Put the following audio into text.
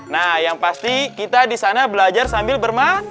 nah yang pasti kita di sana belajar sambil bermain